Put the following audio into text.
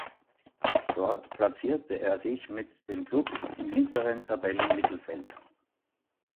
Dort platzierte er sich mit dem Klub im hinteren Tabellenmittelfeld.